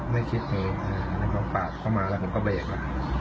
ไม่คิดอย่างนี้นะครับแล้วก็ปาดเข้ามาแล้วผมก็เบรกละ